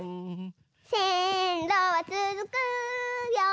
「せんろはつづくよ」